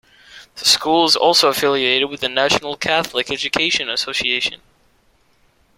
The school is also affiliated with the National Catholic Education Association.